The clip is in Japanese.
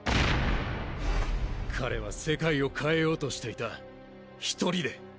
彼は世界を変えようとしていた１人で。